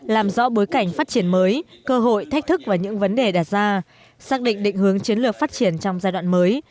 làm rõ bối cảnh phát triển mới cơ hội thách thức và những vấn đề đặt ra xác định định hướng chiến lược phát triển trong giai đoạn mới